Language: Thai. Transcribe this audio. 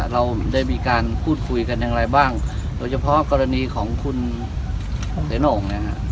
เราได้มีการพูดคุยกันอย่างไรบ้างโดยเฉพาะกรณีของคุณเตโน่งนะฮะ